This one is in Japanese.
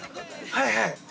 ◆はいはい。